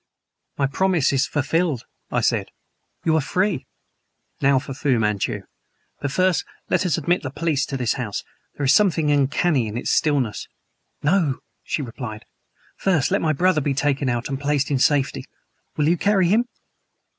"My promise is fulfilled!" I said. "You are free! Now for Fu Manchu! But first let us admit the police to this house; there is something uncanny in its stillness." "No," she replied. "First let my brother be taken out and placed in safety. Will you carry him?"